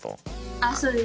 あそうです。